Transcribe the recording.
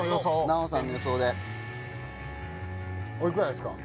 ナヲさんの予想でおいくらですか？